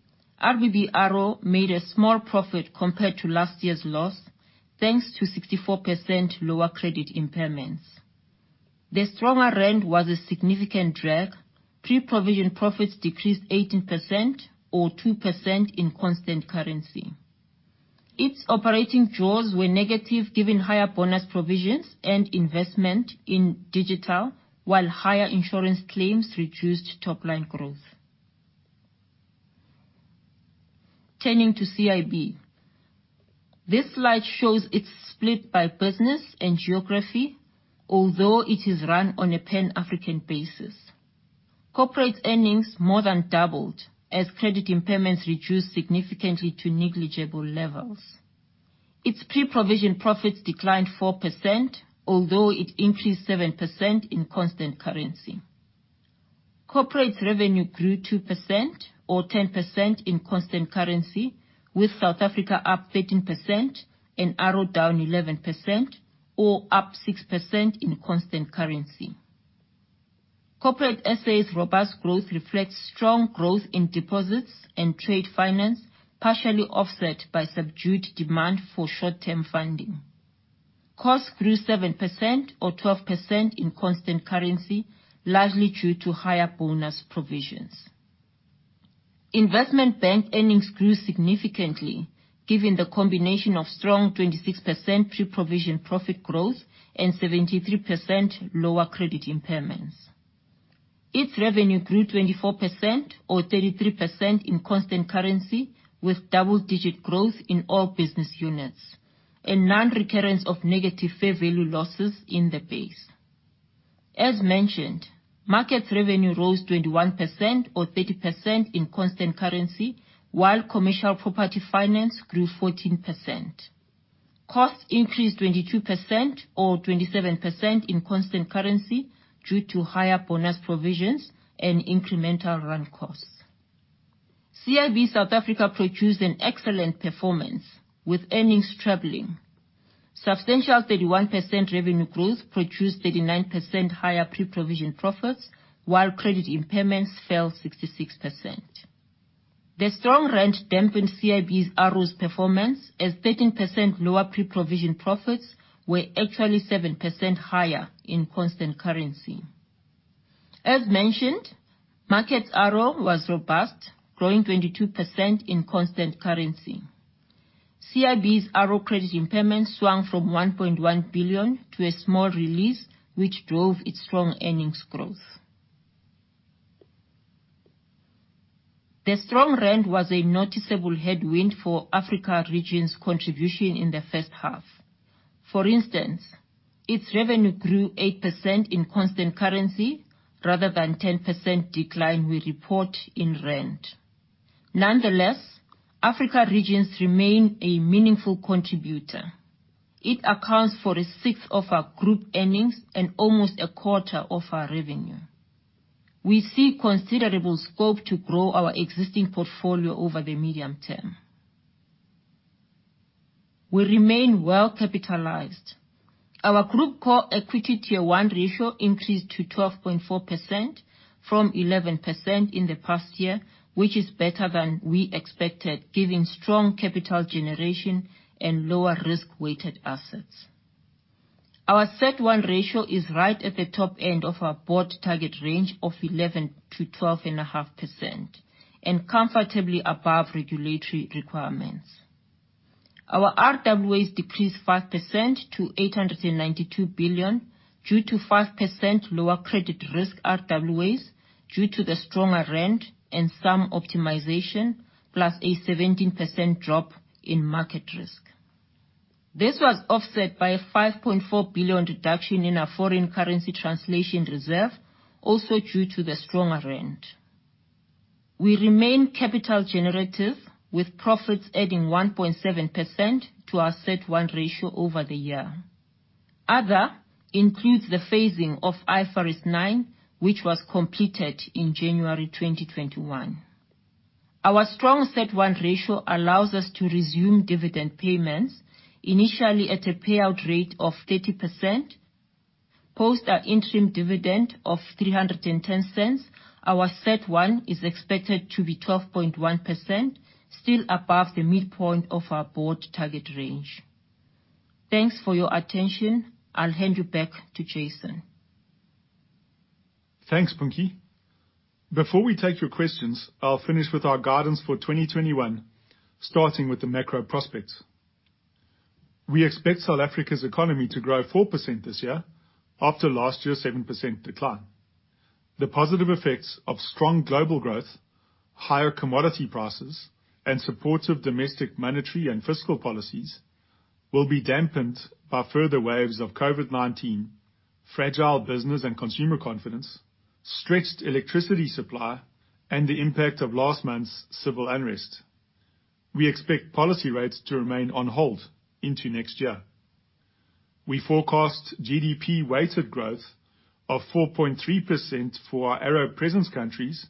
RBB ARO made a small profit compared to last year's loss, thanks to 64% lower credit impairments. The stronger rand was a significant drag. Pre-provision profits decreased 18% or 2% in constant currency. Its operating jaws were negative, given higher bonus provisions and investment in digital, while higher insurance claims reduced top-line growth. Turning to CIB. This slide shows its split by business and geography, although it is run on a pan-African basis. Corporate earnings more than doubled as credit impairments reduced significantly to negligible levels. Its pre-provision profits declined 4%, although it increased 7% in constant currency. Corporate revenue grew 2% or 10% in constant currency, with South Africa up 13% and ARO down 11% or up 6% in constant currency. Corporate SA's robust growth reflects strong growth in deposits and trade finance, partially offset by subdued demand for short-term funding. Costs grew 7% or 12% in constant currency, largely due to higher bonus provisions. Investment bank earnings grew significantly given the combination of strong 26% pre-provision profit growth and 73% lower credit impairments. Its revenue grew 24% or 33% in constant currency, with double-digit growth in all business units, a non-recurrence of negative fair value losses in the base. As mentioned, markets revenue rose 21% or 30% in constant currency, while commercial property finance grew 14%. Costs increased 22% or 27% in constant currency due to higher bonus provisions and incremental run costs. CIB South Africa produced an excellent performance, with earnings tripling. Substantial 31% revenue growth produced 39% higher pre-provision profits, while credit impairments fell 66%. The strong Rand dampened CIB's ARO's performance as 13% lower pre-provision profits were actually 7% higher in constant currency. As mentioned, Markets ARO was robust, growing 22% in constant currency. CIB's ARO credit impairment swung from 1.1 billion to a small release, which drove its strong earnings growth. The strong Rand was a noticeable headwind for Africa regions' contribution in the first half. For instance, its revenue grew 8% in constant currency rather than 10% decline we report in Rand. Nonetheless, Africa regions remain a meaningful contributor. It accounts for a sixth of our group earnings and almost a quarter of our revenue. We see considerable scope to grow our existing portfolio over the medium term. We remain well-capitalized. Our Group Core Equity Tier 1 ratio increased to 12.4% from 11% in the past year, which is better than we expected, giving strong capital generation and lower risk weighted assets. Our CET1 ratio is right at the top end of our board target range of 11%-12.5% and comfortably above regulatory requirements. Our RWAs decreased 5% to 892 billion due to 5% lower credit risk RWAs due to the stronger Rand and some optimization, plus a 17% drop in market risk. This was offset by a 5.4 billion reduction in our foreign currency translation reserve, also due to the stronger Rand. We remain capital generative, with profits adding 1.7% to our CET1 ratio over the year. Other includes the phasing of IFRS 9, which was completed in January 2021. Our strong CET1 ratio allows us to resume dividend payments, initially at a payout rate of 30%. Post our interim dividend of 3.10, our CET1 is expected to be 12.1%, still above the midpoint of our board target range. Thanks for your attention. I'll hand you back to Jason. Thanks, Punki. Before we take your questions, I'll finish with our guidance for 2021, starting with the macro prospects. We expect South Africa's economy to grow 4% this year after last year's 7% decline. The positive effects of strong global growth, higher commodity prices, and supportive domestic monetary and fiscal policies will be dampened by further waves of COVID-19, fragile business and consumer confidence, stretched electricity supply, and the impact of last month's civil unrest. We expect policy rates to remain on hold into next year. We forecast GDP weighted growth of 4.3% for our ARO presence countries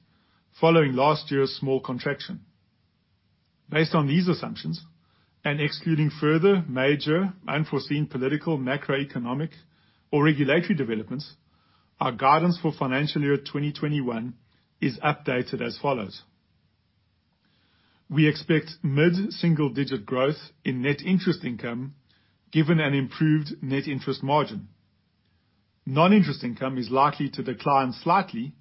following last year's small contraction. Based on these assumptions, and excluding further major unforeseen political, macroeconomic, or regulatory developments, our guidance for financial year 2021 is updated as follows. We expect mid-single digit growth in net interest income given an improved net interest margin. Non-interest income is likely to decline slightly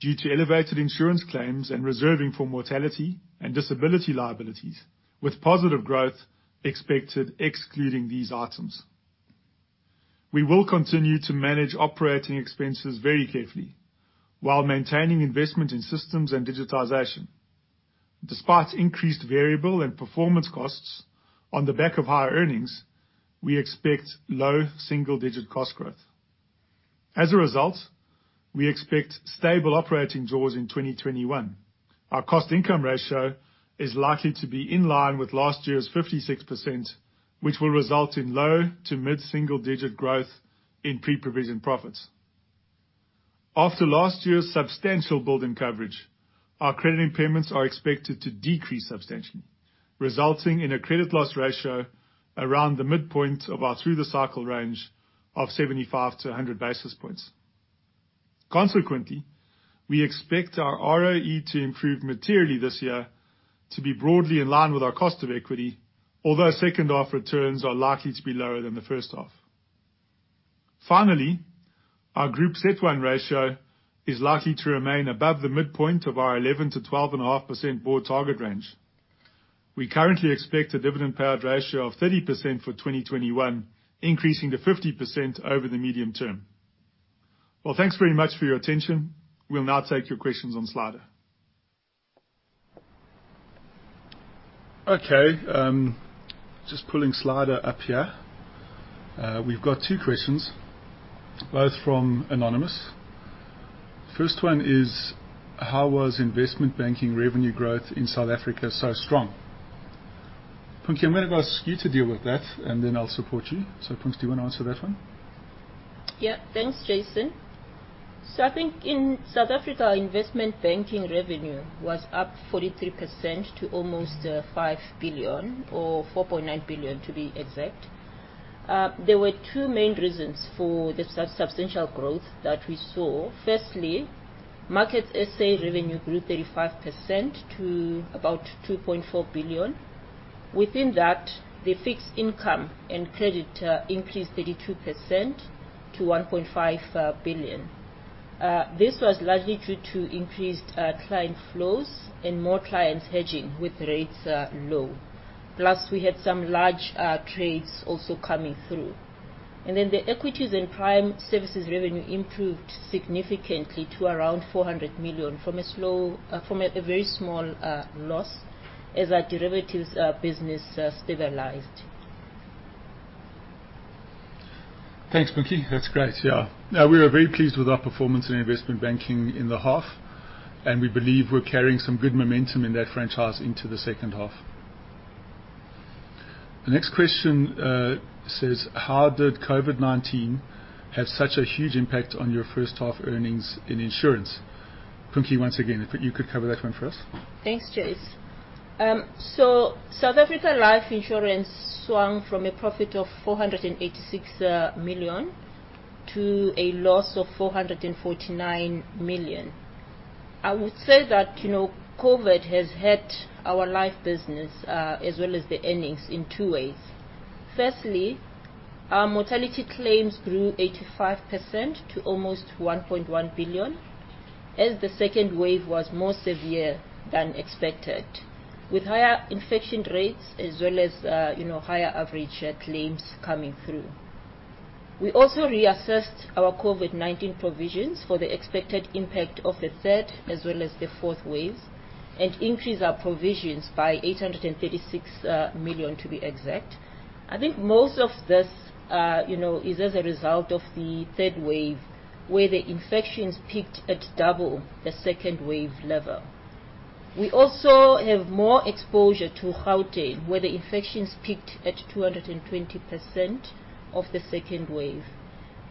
due to elevated insurance claims and reserving for mortality and disability liabilities with positive growth expected excluding these items. We will continue to manage operating expenses very carefully while maintaining investment in systems and digitization. Despite increased variable and performance costs on the back of higher earnings, we expect low single-digit cost growth. As a result, we expect stable operating jaws in 2021. Our cost income ratio is likely to be in line with last year's 56%, which will result in low to mid-single digit growth in pre-provision profits. After last year's substantial build in coverage, our credit impairments are expected to decrease substantially, resulting in a credit loss ratio around the midpoint of our through the cycle range of 75-100 basis points. Consequently, we expect our ROE to improve materially this year to be broadly in line with our cost of equity, although second half returns are likely to be lower than the first half. Finally, our Group CET1 ratio is likely to remain above the midpoint of our 11%-12.5% board target range. We currently expect a dividend payout ratio of 30% for 2021, increasing to 50% over the medium term. Thanks very much for your attention. We'll now take your questions on Slido. Okay. Just pulling Slido up here. We've got two questions, both from anonymous. First one is, how was investment banking revenue growth in South Africa so strong? Punki, I'm going to ask you to deal with that, and then I'll support you. Punki, do you want to answer that one? Yeah. Thanks, Jason. I think in South Africa, investment banking revenue was up 43% to almost 5 billion or 4.9 billion to be exact. There were two main reasons for the substantial growth that we saw. Firstly, markets SA revenue grew 35% to about 2.4 billion. Within that, the fixed income and credit increased 32% to 1.5 billion. This was largely due to increased client flows and more clients hedging with rates low. Plus, we had some large trades also coming through. The equities and prime services revenue improved significantly to around 400 million from a very small loss as our derivatives business stabilized. Thanks, Punki. That's great. Yeah. We were very pleased with our performance in investment banking in the half, and we believe we're carrying some good momentum in that franchise into the second half. The next question says, how did COVID-19 have such a huge impact on your first half earnings in insurance? Punki, once again, if you could cover that one for us. Thanks, Jason. South Africa life insurance swung from a profit of 486 million to a loss of 449 million. I would say that COVID has hit our life business, as well as the earnings in two ways. Firstly, our mortality claims grew 85% to almost 1.1 billion as the second wave was more severe than expected, with higher infection rates as well as higher average claims coming through. We also reassessed our COVID-19 provisions for the expected impact of the third as well as the fourth waves, and increased our provisions by 836 million to be exact. I think most of this is as a result of the third wave, where the infections peaked at double the second wave level. We also have more exposure to Gauteng, where the infections peaked at 220% of the second wave.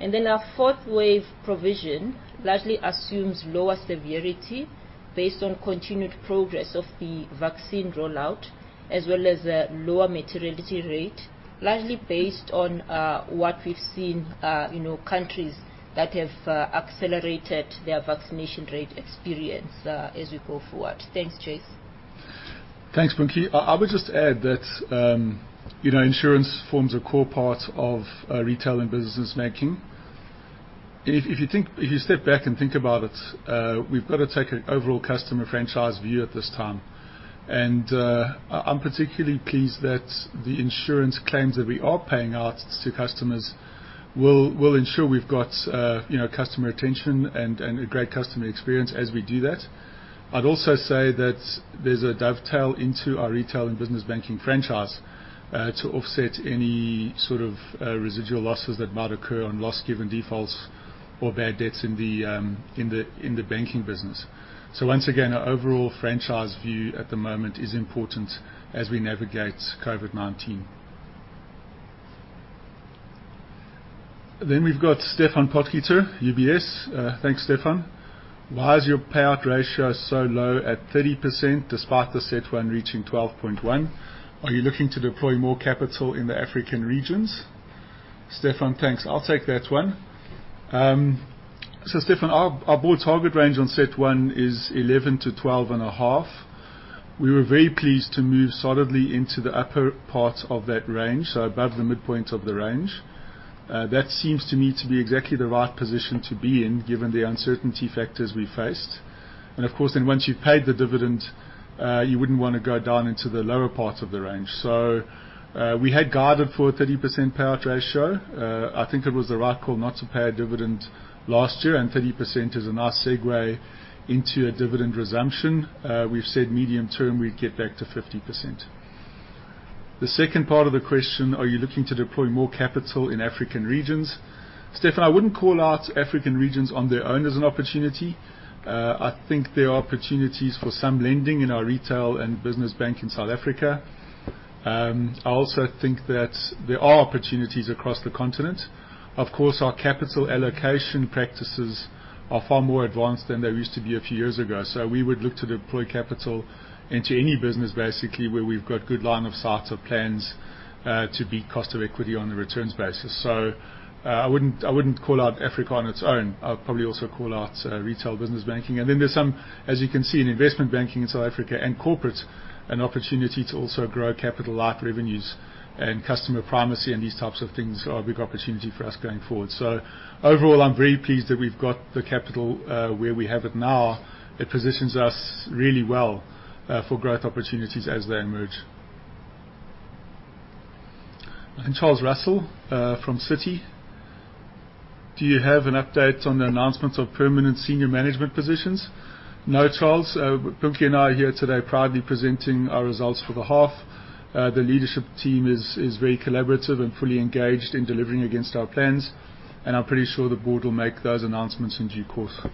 Our fourth wave provision largely assumes lower severity based on continued progress of the vaccine rollout, as well as a lower mortality rate, largely based on what we've seen countries that have accelerated their vaccination rate experience as we go forward. Thanks, Jason. Thanks, Punki. I would just add that insurance forms a core part of Retail and Business Banking. If you step back and think about it, we've got to take an overall customer franchise view at this time. I'm particularly pleased that the insurance claims that we are paying out to customers will ensure we've got customer retention and a great customer experience as we do that. I'd also say that there's a dovetail into our Retail and Business Banking franchise to offset any sort of residual losses that might occur on loss given defaults or bad debts in the banking business. Once again, our overall franchise view at the moment is important as we navigate COVID-19. We've got Stephan Potgieter, UBS. Thanks, Stephan. Why is your payout ratio so low at 30% despite the CET1 reaching 12.1? Are you looking to deploy more capital in the African regions? Stephan, thanks. I'll take that one. Stephan, our board target range on CET1 is 11 to 12.5. We were very pleased to move solidly into the upper part of that range, so above the midpoint of the range. That seems to me to be exactly the right position to be in given the uncertainty factors we faced. Of course, once you've paid the dividend, you wouldn't want to go down into the lower part of the range. We had guided for a 30% payout ratio. I think it was the right call not to pay a dividend last year, and 30% is a nice segue into a dividend resumption. We've said medium term, we'd get back to 50%. The second part of the question, are you looking to deploy more capital in African regions? Stephan, I wouldn't call out African regions on their own as an opportunity. I think there are opportunities for some lending in our Retail and Business Banking in South Africa. I also think that there are opportunities across the continent. Of course, our capital allocation practices are far more advanced than they used to be a few years ago. We would look to deploy capital into any business, basically, where we've got good line of sight or plans to beat cost of equity on a returns basis. I wouldn't call out Africa on its own. I'd probably also call out Retail Business Banking. Then, there's some, as you can see, in Investment Banking in South Africa and Corporate, an opportunity to also grow capital light revenues. Customer primacy and these types of things are a big opportunity for us going forward. Overall, I'm very pleased that we've got the capital where we have it now. It positions us really well for growth opportunities as they emerge. Charles Russon from Citi. Do you have an update on the announcements of permanent senior management positions? No, Charles. Punki and I are here today proudly presenting our results for the half. The leadership team is very collaborative and fully engaged in delivering against our plans, and I'm pretty sure the board will make those announcements in due course.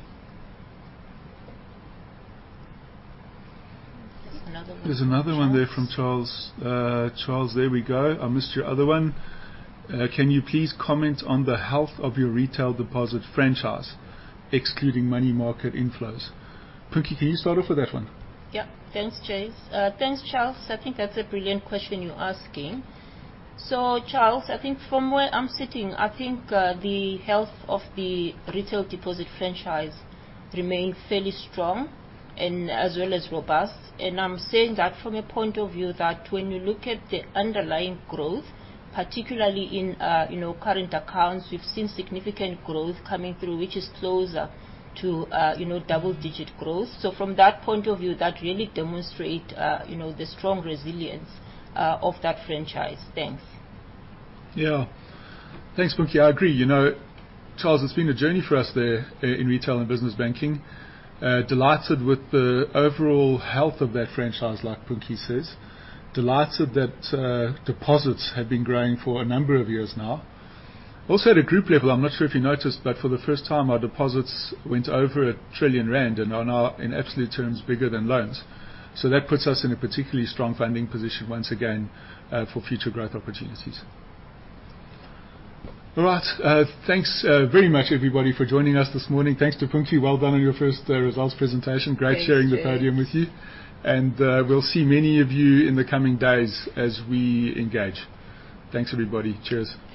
There's another one from Charles. There's another one there from Charles. Charles, there we go. I missed your other one. Can you please comment on the health of your retail deposit franchise excluding money market inflows? Punki, can you start off with that one? Yeah. Thanks, Charles. I think that's a brilliant question you're asking. Charles, I think from where I'm sitting, I think the health of the retail deposit franchise remains fairly strong and as well as robust. I'm saying that from a point of view that when you look at the underlying growth, particularly in current accounts, we've seen significant growth coming through, which is closer to double-digit growth. From that point of view, that really demonstrate the strong resilience of that franchise. Thanks. Yeah. Thanks, Punki. I agree. Charles, it's been a journey for us there in retail and business banking. Delighted with the overall health of that franchise, like Punki says. Delighted that deposits have been growing for a number of years now. Also, at a Group level, I'm not sure if you noticed, but for the first time, our deposits went over 1 trillion rand and are now, in absolute terms, bigger than loans. That puts us in a particularly strong funding position once again, for future growth opportunities. All right. Thanks very much, everybody, for joining us this morning. Thanks to Punki. Well done on your first results presentation. Thank you, Jason. Great sharing the podium with you. We'll see many of you in the coming days as we engage. Thanks, everybody. Cheers.